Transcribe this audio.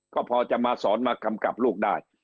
ก็พอจะมาสอนมากำกับลูกได้